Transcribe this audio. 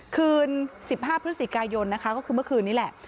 คืน๑๕พฤศจิกายนนะคะก็คือเมื่อคืนนี้แหละ